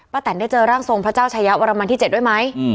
ป้าแต่นได้เจอร่างทรงพระเจ้าชายะวรรมันที่เจ็ดด้วยไหมอืม